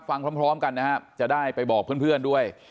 ฟังพร้อมกันครับจะได้ไปบอกครึ่งด้วย